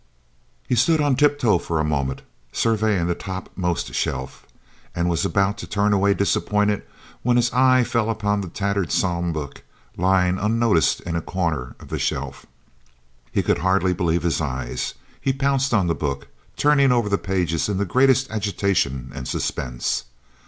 He stood on tiptoe for a moment, surveying the topmost shelf, and was about to turn away disappointed, when his eye fell on the tattered psalm book, lying unnoticed in a corner of the shelf. He could hardly believe his eyes! He pounced on the book, turning over the pages in the greatest agitation and suspense.